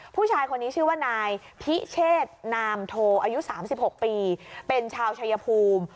ผู้ชายคนนี้ชื่อว่านายพิเชษนามโทอายุ๓๖ปีเป็นชาวชายภูมิ